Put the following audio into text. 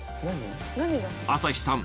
朝日さん